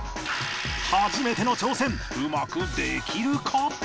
初めての挑戦うまくできるか？